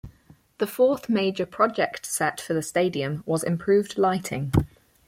The fourth major project set for the stadium was improved lighting.